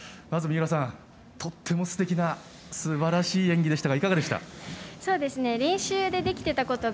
まず三浦さん、とってもすてきなすばらしい演技でしたがいかがですか。